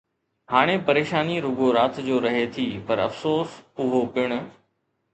هاڻي پريشاني رڳو رات جو رهي ٿي، پر افسوس، اهو پڻ